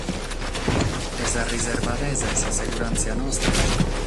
E sa riservadesa e sa seguràntzia nostras?